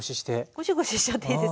ゴシゴシしちゃっていいです。